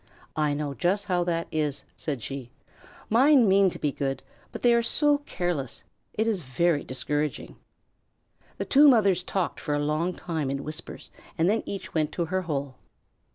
"I know just how that is," said she. "Mine mean to be good, but they are so careless. It is very discouraging." The two mothers talked for a long time in whispers and then each went to her hole.